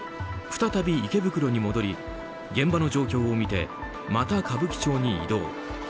再び池袋に戻り現場の状況を見てまた歌舞伎町に移動。